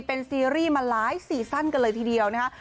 เป็นซีรีส์มาหลายซีซั่นกันเลยทีเดียวนะคะ